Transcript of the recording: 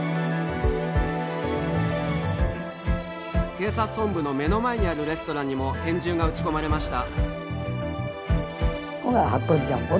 警察本部の目の前にあるレストランにも拳銃が撃ち込まれました。